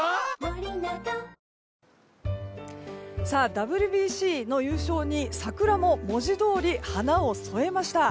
ＷＢＣの優勝に文字どおり桜も花を添えました。